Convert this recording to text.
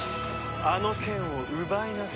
あの剣を奪いなさい。